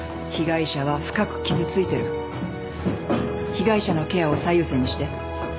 被害者のケアを最優先にして。